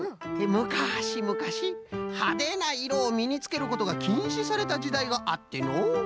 むかしむかしはでないろをみにつけることがきんしされたじだいがあってのう。